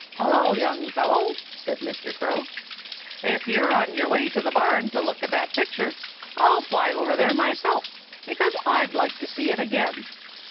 "Hullo, young fellow!" said Mr. Crow. "If you're on your way to the barn to look at that picture, I'll fly over there myself, because I'd like to see it again."